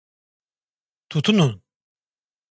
Tutunun!